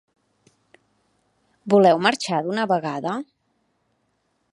Voleu marxar d'una vegada?